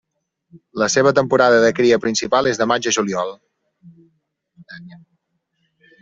La seva temporada de cria principal és de maig a juliol.